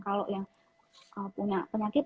kalau yang punya penyakit